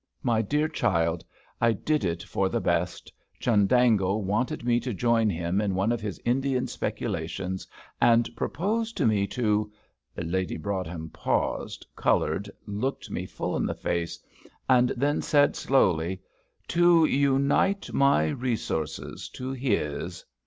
My dear child, I did it for the best; Chundango wanted me to join him in one of his Indian speculations, and proposed to me to" Lady Broadhem paused, coloured, looked me full in the face, and then said slowly "to unite my resources to his.